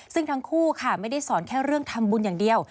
ซึ่งทั้งคู่ค่ะไม่ได้สอนแค่เรื่องทำบุญอย่างเดียว